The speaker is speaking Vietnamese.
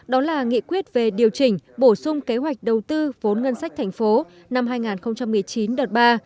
đó là nghị quyết về điều chỉnh bổ sung kế hoạch đầu tư vốn ngân sách thành phố năm hai nghìn một mươi chín đợt ba